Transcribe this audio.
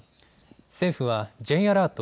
政府はＪアラート